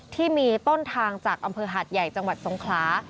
ที่มีต้นทางจากอำเภอหาดใหญ่จังหวัดสงขลา